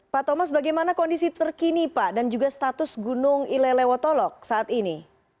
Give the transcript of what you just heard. pak thomas bagaimana kondisi terkini pak dan juga status gunung ilelewotolok saat ini